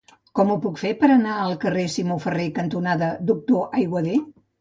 Com ho puc fer per anar al carrer Simó Ferrer cantonada Doctor Aiguader?